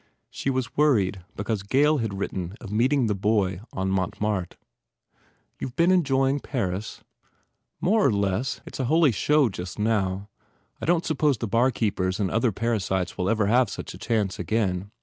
She was worried because Gail had written of meeting the boy on Montmartre. "You ve been enjoying Paris ?" "More or less. It s a holy show, just now. I don t suppose the barkeepers and other para sites will ever have such a chance again."